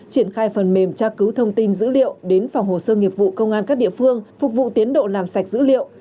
triển khai phần mềm tra cứu thông tin dữ liệu đến phòng hồ sơ nghiệp vụ công an các địa phương phục vụ tiến độ làm sạch dữ liệu